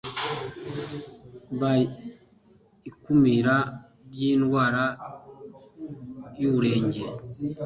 by ikumira ry indwara y uburenge